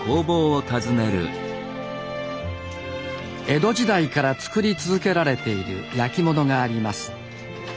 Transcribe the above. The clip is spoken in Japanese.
江戸時代から作り続けられている焼き物があります。